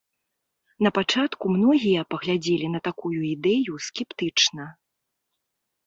Напачатку многія паглядзелі на такую ідэю скептычна.